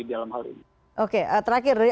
dalam hal ini oke terakhir dari